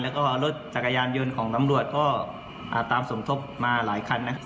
แล้วก็รถจักรยานยนต์ของตำรวจก็ตามสมทบมาหลายคันนะ